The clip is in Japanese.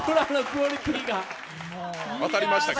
当たりましたけど。